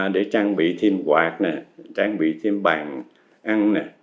để trang bị thêm quạt trang bị thêm bàn ăn